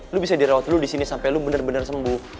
lu bisa dirawat dulu disini sampe lu bener bener sembuh